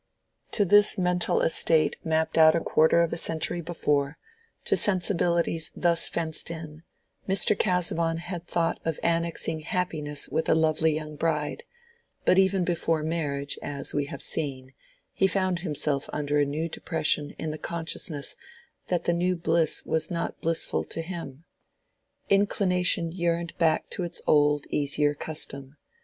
To this mental estate mapped out a quarter of a century before, to sensibilities thus fenced in, Mr. Casaubon had thought of annexing happiness with a lovely young bride; but even before marriage, as we have seen, he found himself under a new depression in the consciousness that the new bliss was not blissful to him. Inclination yearned back to its old, easier custom.